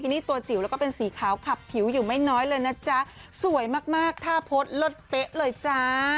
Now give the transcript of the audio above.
นี่ตัวจิ๋วแล้วก็เป็นสีขาวขับผิวอยู่ไม่น้อยเลยนะจ๊ะสวยมากมากท่าโพสต์ลดเป๊ะเลยจ้า